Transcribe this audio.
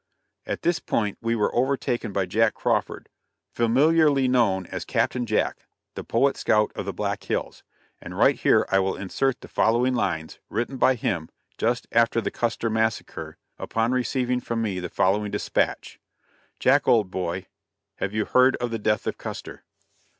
At this point we were overtaken by Jack Crawford, familiarly known as "Captain Jack, the Poet Scout of the Black Hills," and right here I will insert the following lines, written by him, just after the "Custer Massacre," upon receiving from me the following dispatch: "Jack, old boy, have you heard of the death of Custer?"